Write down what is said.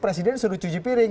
presiden suruh cuci piring